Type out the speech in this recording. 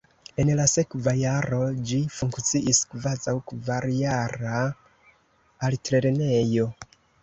En la sekva jaro ĝi funkciis kvazaŭ kvarjara altlernejo.